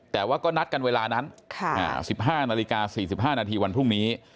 แต่ว่าก็นัดกันเวลานั้น๑๕นาฬิกา๔๕นาทีวันพรุ่งนี้